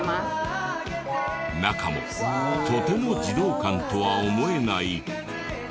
中もとても児童館とは思えない。